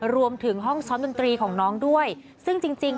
รวมถึงห้องซ้อมดนตรีของน้องด้วยซึ่งจริงจริง